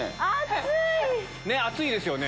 暑いですよね。